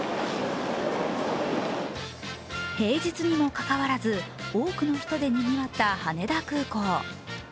平日にもかかわらず多くの人で賑わった羽田空港。